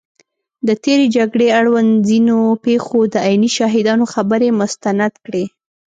د تېرې جګړې اړوند ځینو پېښو د عیني شاهدانو خبرې مستند کړي